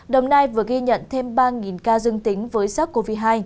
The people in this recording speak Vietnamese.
đồng nai vừa ghi nhận thêm ba ca dương tính với sars cov hai